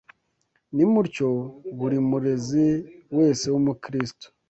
Nimutyo buri murezi wese w’Umukristo